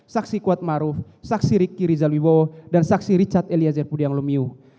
saksi kuatmaru saksi rikki rizalwibowo dan saksi richard elia zerpudiang lumiuh